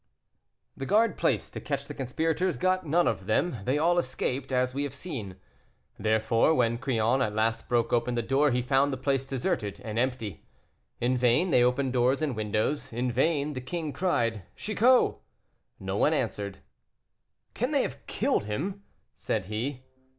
The guard placed to catch the conspirators got none of them; they all escaped, as we have seen; therefore, when Crillon at last broke open the door, he found the place deserted and empty. In vain they opened doors and windows; in vain the king cried, "Chicot!" No one answered. "Can they have killed him?" said he.